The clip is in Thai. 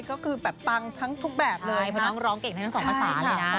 ก็คือแบบปังทั้งทุกแบบเลยเพราะน้องร้องเก่งทั้งทั้งสองภาษาเลยนะ